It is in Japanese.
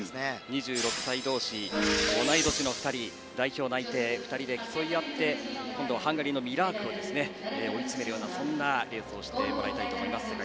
２６歳同士、同い年の２人代表内定、２人で競い合って今度はハンガリーのミラークを追い詰めるようなレースを世界選手権でしてもらいたいと思います。